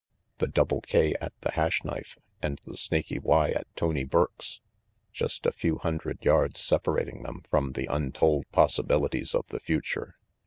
The Double K at the Hash Knife and the Snaky Y at Tony Burke's I Just a few hundred yards separat ing them from the untold possibilities of the future.